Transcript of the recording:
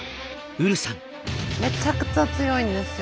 めちゃくちゃ強いんですよ